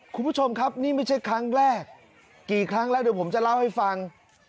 คุณผู้ชมครับนี่ไม่ใช่ครั้งแรกกี่ครั้งแล้วเดี๋ยวผมจะเล่าให้ฟัง